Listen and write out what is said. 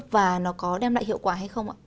và nó có đem lại hiệu quả hay không ạ